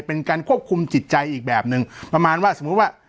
เป็นการควบคุมจิตใจอีกแบบหนึ่งประมาณว่าสมมุติว่า